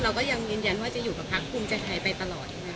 เราก็ยังยืนยันว่าจะอยู่กับพักภูมิใจไทยไปตลอดใช่ไหมค